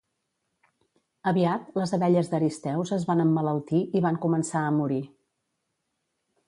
Aviat les abelles d'Aristeus es van emmalaltir i van començar a morir.